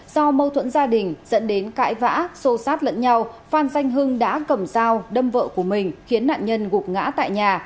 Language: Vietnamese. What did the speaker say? do mâu thuẫn gia đình dẫn đến cãi vã xô sát lẫn nhau phan danh hưng đã cầm dao đâm vợ của mình khiến nạn nhân gục ngã tại nhà